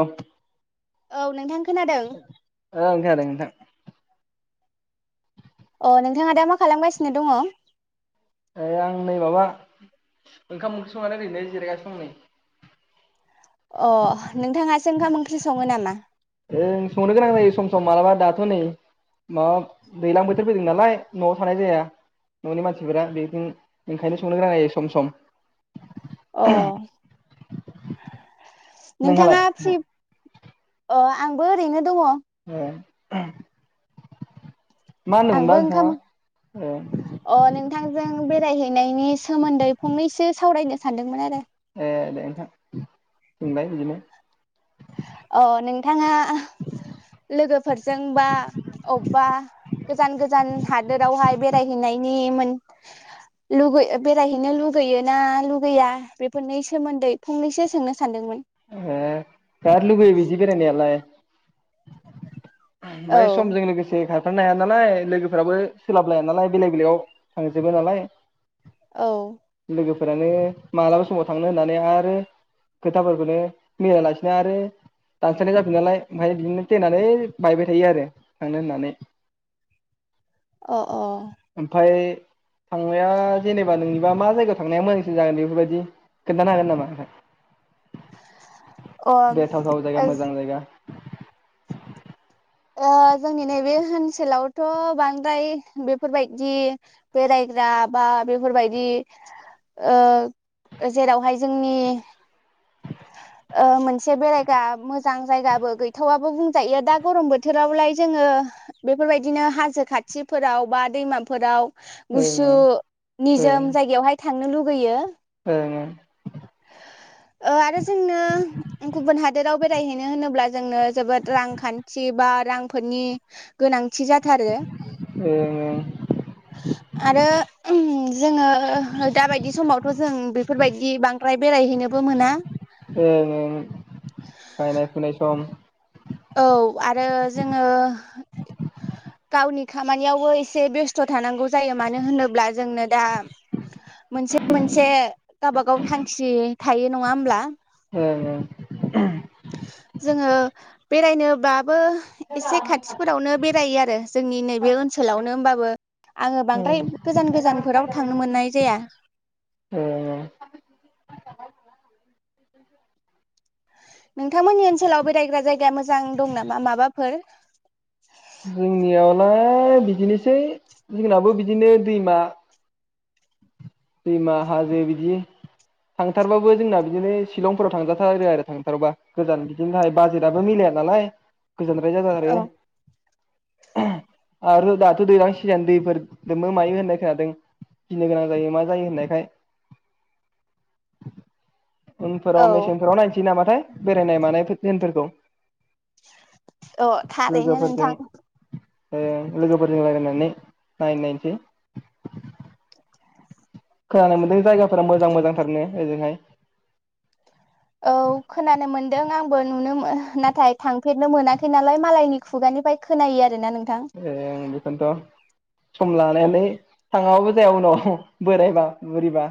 औ ओं औ नोंथां खोनादों खोनादों नोंथां अ नोंथाङा दा मा खालामगासिनो दङ ओइ आं नै माबा ओंखाम ओंख्रि संनानै ओरैनो जिरायगासिनो दं नै अ नोंथाङासो ओंखाम ओंख्रि सङो नामा जों संनो गोनां जायो सम सम मालाबा दाथ' नै माबा दैज्लां बोथोर फैदों नालाय न'आव थानाय जाया न'नि मानसिफोरा बेदिं ओंखायनो संनो गोनां जायो सम सम अ नोंहालाय नोंथाङा फ्रि अ आंबो ओरैनो दङ औ आंबो ओंखाम अ नोंथांजों बेरायहैनायनि सोमोन्दै फंनैसो सावरायनो सानदोंमोन आरो ए दे नोंथां सोंलाय बिदिनो अ नोंथाङा लोगोफोरजोंबा अबबा गोजान गोजान हादोरावहाय बेरायहैनायनि मोन लुगै ओ बेरायहैनो लुगैयो ना लुगैया बेफोरनि सोमोन्दै फंनैसो सोंनो सानदोंमोन ओ गारलुगैयो बिदि बेरायनायालाय औ ओमफाय समजों लोगोसे खार थारनो हाया नालाय लोगोफोराबो सोलाब लाया नालाय बेलेग बेलेगाव थांजोबाय नालाय औ लोगोफोरानो मालाबा समाव थांनो होननानै आरो खोथा खौनो मिलायालासिनो आरो दानस्रायनाय जाफिनो नालाय ओमफ्रायाय बिदिनो फ्लेनानो बायबाय थायो आरो थांनो होननानै अ अ ओमफ्राय थांनाया जेनेबा नोंनिबा मा जायगायाव थांनाया मोजांसिन जागोन बेफोरबायदि खोन्थानो हागोन नामा अ बेरथाव थाव जायगा मोजां जायगा ओ जोंनि नैबे होनसोलावथ' बांद्राय बेफोरबायदि बेरायग्रा बा बेफोरबायदि ओ ओ जेरावहाय जोंनि ओ मोनसे बेरायग्रा मोजां जायगाबो गैथावाबो बुंजायो दा गरम बोथोरावलाय जोङो बेफोरबायदिनो हाजो खाथिफोराव बा दैमाफोराव गुसु ओं ओं निजोम जायगायावहाय था थांनो लुगैयो ओं ओं ओ आरो जोंनो गुबुन हादोराव बेरायहैनो होनोब्ला जोंनो जोबोद रांखान्थि बा रांफोरनि गोनांथि जाथारो ओं ओं आरो जोङो दाबायदि समावथ' जों बेफोरबायदि बांद्राय बेरायहैनोबो मोना ओं ओं गायनाय फुनाय सम औ आरो जोङो गावनि खामानियावबो एसे बेस्थ' थानांगौ जायो मानो होनोब्ला जोंनो दा मोनसे मोनसे गावबागाव थांखि थायो नङा होमब्ला औ औ जोङो बेरायनो बा बो एसे खाथिफोरावनो बेरायो आर [unintelligible] जोंनि नैबे ओनसोलावनो होमबा आङो ओं बांद्राय गोजान गोजानफोराव थांनो मोननाय जाया। ओं ओं नोंथांमोननि ओनसोलाव बेरायग्रा जायगाया मोजां दं नामा माबाफोर? जोंनियावलाय बिदिनोसै जोंनाबो बिदिनो दैमा दैमा हाजो बिदि थांथारबाबो जोंना बिदिनो शिलंफोराव थांजाथारो आरो थांथारबा गोजान बिदिनो थाखाय बाजेटआबो मिलाया नालाय। गोजानद्राय जाथारो औ आरो दाथ' दैलां सिजेन दैफोर लोमो मायो होननाय खोनादों गिनो गोनां जायो मा जायो होननायखाय। उनफोराव औ मेसेंफोराव नायनसै नामाथाय बेरायनाय मानाय फोर दिनफोरखौ। अ थारैनो नोंथां। ओं लोगोफोरजों रायलायनानै नाय-नायनसै [inaudible] खोनानो मोनदों जायगाफोरा मोजां मोजांथारनो ओजोंहाय। औ खोनानो मोनदों आंबो नुनो ओ नाथाय थांफेरनो मोनाखै नालाय मालायनि खुगानिफ्राय खोनायो आ ए ओं बेखोनथ' सम लानानै थाङाबाबो जाया उनाव बोरायबा बुरिबा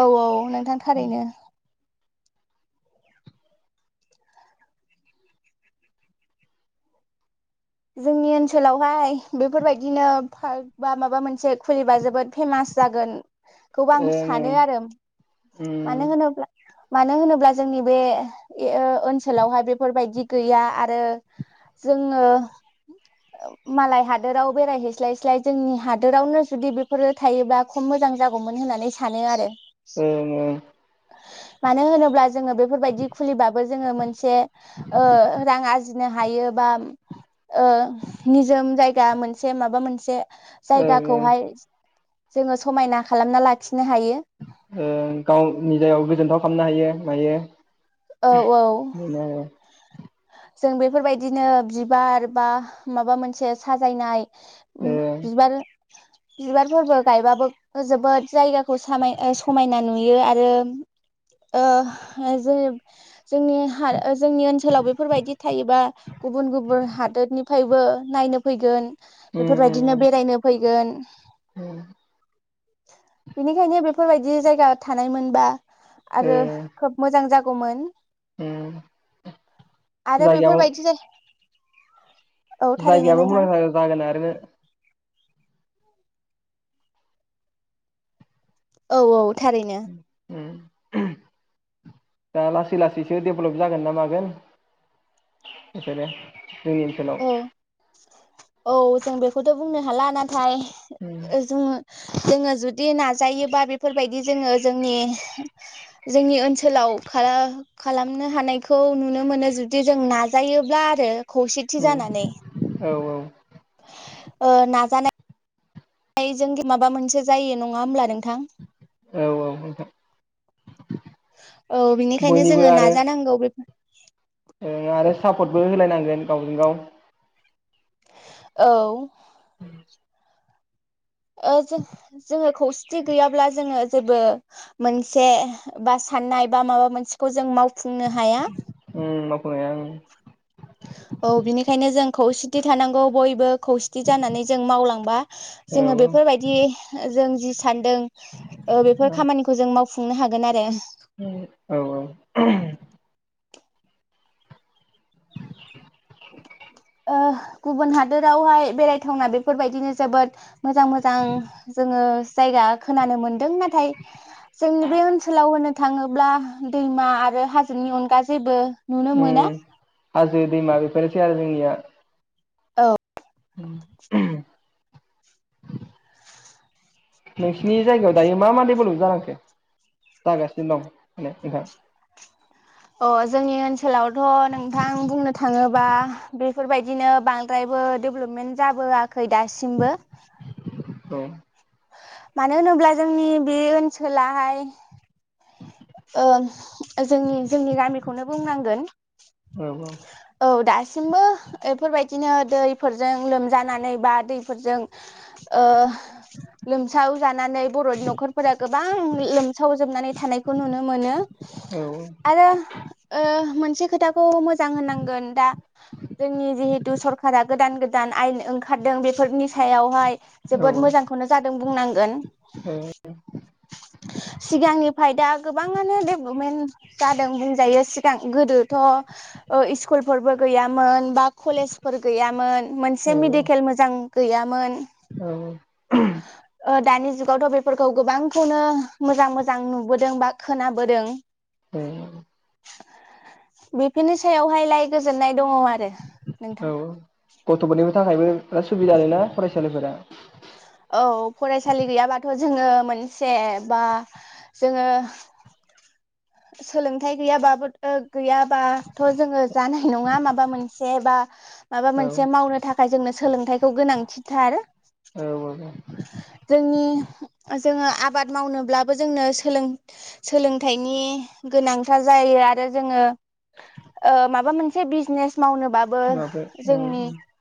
औ औ नों थां थारैनो जोंनि ओनसोलावहाय बेफोरबायदिनो पार्क बा माबा मोनसे खुलिबा जोबोद फेमास जागोन खौबो आं ओं ओं सानो आरो उम मानो होनोब्ला मानो होनोब्ला जोंनि बे ए ओ ओनसोलावहाय बेफोरबायदि गैया आरो जोङो ओ मालाय हादोराव बेरायहैस्लायस्लाय जोंनि हादोरावनो जुदि बेफोरो थायोब्ला खम मोजां जागौमोन होननानै सानो आरो। ओं ओं मानो होनोब्ला जोङो बेफोरबायदि खुलिबाबो जोङो मोनसे ओ रां ओ आरजिनो हायो बा [inaudible] ओ निजोम जायगा मोनसे माबा मोनसे ओं ओं जायगाखौहाय जोङो समायना खालामना लाखि ओं गावनि जायाव गोजोन्थाव खाम नो हायो मायो औ औ बेनो आरो जों बेफोरबायदिनो बिबार बा माबा मोनसे साजायनाय उम ओ बिबार बिबारफोरबो गायबाबो जोबोद जायगाखो सामाय ओ समायना नुयो आरो ओ जे जोंनि हार जोंनि ओनसोलाव बे फोरबायदि थायोबा गुबुन गुबुन हादोद निफ्रायबो नायनो फैगोन बेफोरबायदिनो बेरायनो फैगोन [inaudible] औ बेनिखायनो बेफोरबायदि जायगा थानायमोनबा ओ आरो खोब मोजां जागौ गौमोन उम आरो बेफोर जायगायाबो बायदि जे जायगायाबो मुलामफा जागोन आरो औ औ थारैनो उम उम दा लासै लासैसो डेभेलप जागोन ना मागोन बिसोरो जोंनि ओनसोलाव औ औ जों बेखौथ' बुंनो हाला ना थाय उम ओ जोङो जोङो जुदि नाजायोबा बेफोरबायदि जोङो जोंनि जोंनि ओनसोलाव खालामनो हानायखौ नुनो मोनो जुदि जों नाजायोब्ला आरो खौसे उम औ औ [inaudible] ओ नाजानाय आइ जों माबा मोनसे जायो नङा होमब्ला नों औ औ नोंथां औ बिनिखायनो बयनिबो जोङो आरो नाजानांगौ बेफोर [inaudible] ओ आरो सापर्टबो होलायनांगोन गावजों गाव औ उम ओ जोङो जोङो खौसेथि गैयाब्ला जोङो जेबो मोनसे बा साननाय बा माबा मोनसेखौ जों माव फुंनो हाया गया औ बिनिखायनो जों खौसेथि थानांगौ बयबो खौसेथि जानानै जों मावलांबा औ जोङो बेफोरबायदि जों जि सानदों ओ बेफोर खामानिखौ जों माव फुंनो हागोन आरो औ औ [inaudible] ओ गुबुन हादोरावहाय बेरायथावना बेफोरबायदिनो जोबोद मोजां मोजां जोङो जायगा खोनानो मोनदों नाथाय जोंनि बे ओनसोलाव होनो थाङोब्ला दैमा आरो हाजोनि अनगा जेबो नुनो मोना उम हाजो दैमा बेफोरनोसै आरो जोंनिया औ [inaudible] नोंसिनि जायगायाव दायो मा मा डेभेलप जानांखो जागासिनो दं? [unintelligible] अ जोंनि ओनसोलावथ' नोंथां बुंनो थाङोबा बेफोरबायदिनो बांद्रायबो डेभेलपमेन्ट जाबोआखै दासिमबो । औ मानो होनोब्ला जोंनि बे ओनसोलाहाय ओ जोंनि जोंनि गामिखौनो बुंनांगोन । औ औ औ दासिमबो बेफोरबायदिनो दैफोरजों लोमजानानै बा दैफोरजों ओ लोमसाव जानानै बर'नि न'खरफोरा गोबां लोमसावजोबनानै थानायखौ नुनो मोनो औ आरो ओ मोन से खोथा गोन दा जोंनि जिहेतु सरखारा गोदान गोदान आयेन ओंखारदों बेफोरनि सायावहाय औ जोबोद मोजांखौनो जादों बुंनांगोन सिगांनिफ्राय दा गोबाङानो डेभेलपमेन्ट जादों बुंजायो सिगां गोदोथ' ओ इस्कुल स्कुलफोरबो गैयामोन बा कलेजफोर गैयामोन । मोनसे मेडिकेल मोजां गैयामोन औ ओ दानि जुगावथ' बेफोरखौ गोबांखौनो मोजां मोजां नुबोदों बा खोनाबोदों । [inaudible] बेफोरनि सायावहाय लाय गोजोननाय दङ आरो औ नोंथां गथ'फोरनिबो थाखायबो बिराद सुबिदा आरोना फरायसालिफोरा औ फरायसालि गैयाबाथ' जोङो मोनसे बा जोङो सोलोंथाइ गैयाबाबो गैयाबाथ' जोङो जानाय नङा माबा मोनसे बा माबा औ मोनसे मावनो थाखाय जोंनो सोलोंथाइ गोनांथिथार औ जोंनि जोङो ओ आबाद मावनोब्लाबो जोंनो सोलों सोलोंथाइनि गोनांथार जायो आरो जोङो ओ माबा मोनसे बिजनेस मावनोबाबो माबाफोर जोंनि औ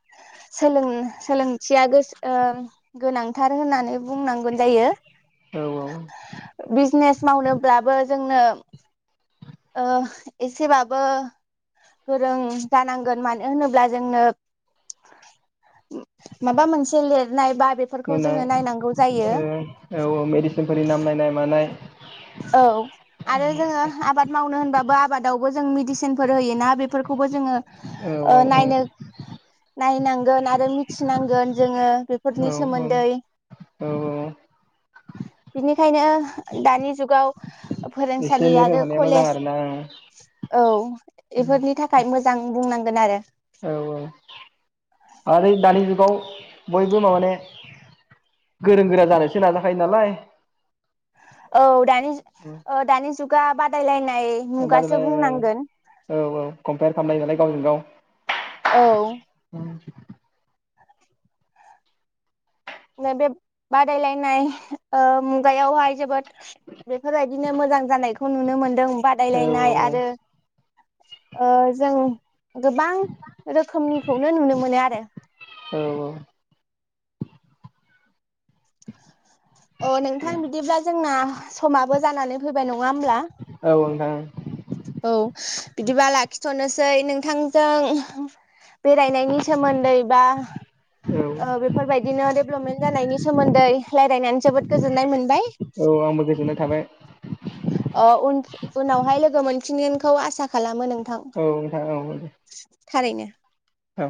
सोलों सोलोंथिया गोसो ओ गोनांथार होननानै बुंनांगोन जायो औ बिजनेस मावनोब्लाबो जोंनो ओ एसेबाबो गोरों जानांगोन मानो होनोब्ला जोंनो माबा मोनसे लिरनाय बा बेफोरखौ होनाय जोङो नायनांगौ जायो औ मेडिसिनफोरनि नाम नायनाय मानाय औ आरो जोङो आबाद मावनो होनबा बा आबादावबो जों मेडिसिनफोर होयो ना बेफोरखौबो जोङो औ ओ नायनो औ औ नायनांगोन आरो मिथिनांगोन जोङो बेफोरनि औ औ सोमोन्दै औ औ बिनिखायनो दानि जुगाव एसे फोरोंसालि एनै रों आरो हानाया मोजां कलेज आरो ना उम औ एफोरनि थाखाय मोजां बुंनांगोन आरो औ आरो दानि बयबो माने गोरों गोरा जानोसो नाजाखायो नालाय औ दानि दानि जुग गा बादायलायनाय मुगासो बुंनांगोन बादायलायनाय औ औ कमपियार खालामनाय गावजों गाव औ [inaudible] बे बादायलायनाय ओ मुगायावहाय जोबोद बेफोर बायदि बिदिनो मोजां जानायखौ नुनो मोन्दों औ बादायलायनाय औ आरो ओ जों गोबां रोखोमनिखौनो नुनो मोनो आरो औ अ नोंथां बिदिब्ला जोंना समाबो जानानै फैबाय नङा नङा होमब्ला औ नोंथां औ बिदिबा लाखिथ'नोसै नोंथांजों बेरायनायनि सोमोन्दै बा औ ओ बेफोरबायदिनो डेभेलपमेन्ट जानायनि सोमोन्दै रायलायनानै जोबोद गोजोननाय मोनबाय औ आंबो गोजोननाय थाबाय अ उनावहाय लोगो मोनफिनगोनखौ आसा खालामो नों औ नोंथां औ थारैनो औ